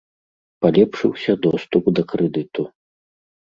Палепшыўся доступ да крэдыту.